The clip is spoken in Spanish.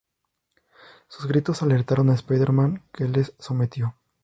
Sus gritos alertaron a Spider-Man, que les sometió.